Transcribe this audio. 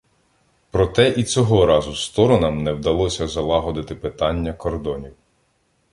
Проте і цього разу сторонам не вдалося залагодити питання кордонів.